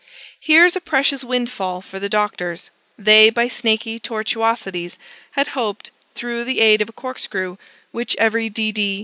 Here's a precious windfall for the doctors; they, by snaky tortuosities, had hoped, through the aid of a corkscrew, (which every D. D.